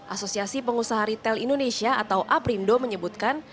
asosiasi pengusaha retail indonesia atau aprindo menyebutkan